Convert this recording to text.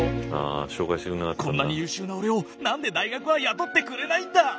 こんなに優秀な俺を何で大学は雇ってくれないんだ！